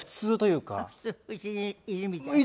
うちにいるみたい？